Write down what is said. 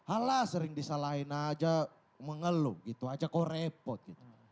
alah sering disalahin aja mengeluh gitu aja kok repot gitu